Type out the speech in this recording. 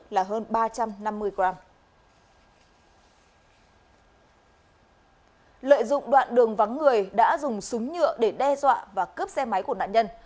lợi dụng đoạn đường vắng người đã dùng súng nhựa để đe dọa và cướp xe máy của nạn nhân